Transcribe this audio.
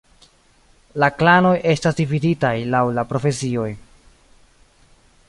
La klanoj estas dividitaj laŭ la profesioj.